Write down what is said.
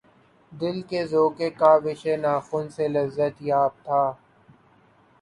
دل کہ ذوقِ کاوشِ ناخن سے لذت یاب تھا